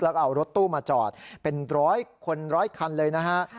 แล้วก็เอารถตู้มาจอดเป็นร้อยคนร้อยคันเลยนะฮะ